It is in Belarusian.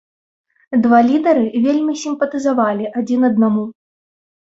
Два лідары вельмі сімпатызавалі адзін аднаму.